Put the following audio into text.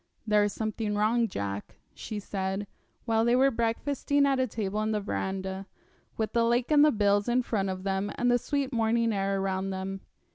'There is something wrong, Jack,' she said, while they were breakfasting at a table in the verandah, with the lake and the bills in front of them and the sweet morning air around them.